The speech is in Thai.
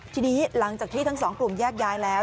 ทีนี้หลังจากที่ทั้งสองกลุ่มแยกย้ายแล้ว